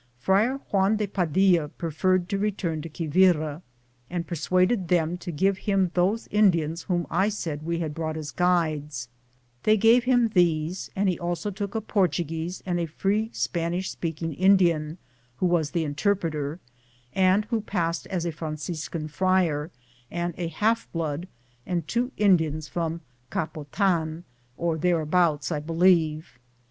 Friar Juan de Padilla preferred to return to Quivira, and persuaded them to give him those In dians whom I said we had brought as guides, They gave him these, and he also took a Portuguese and a free Spanish speaking In dian, who was the interpreter, and who passed as a Franciscan friar, and a half blood and two Indians from Capottan (or Capotean) or thereabout*, I believe.